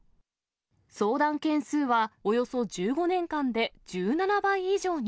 相談件数はおよそ１５年間で１７倍以上に。